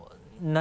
何？